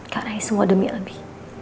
gak ada yang semua demi abi